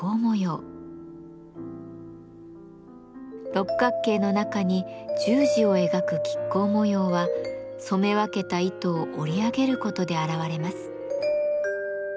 六角形の中に十字を描く亀甲模様は染め分けた糸を織り上げることで現れます。